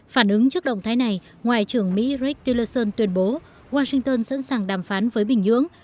phản ứng trước động thái này ngoại trưởng mỹ rick tillerson tuyên bố washington sẵn sàng đàm phán với bình nhưỡng